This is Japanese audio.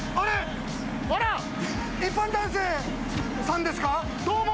一般男性さんですか？